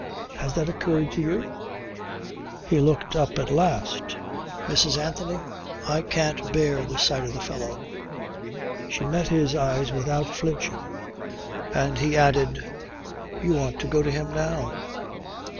Has that occurred to you? ..." He looked up at last ... "Mrs. Anthony, I can't bear the sight of the fellow." She met his eyes without flinching and he added, "You want to go to him now."